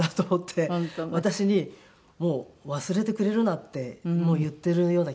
私にもう忘れてくれるなって言ってるような気がして。